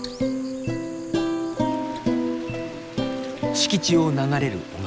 敷地を流れる小川。